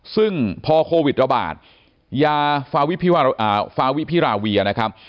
ซึ่งพอโควิดระบาดยาฟาวิพิราเวียนะครับ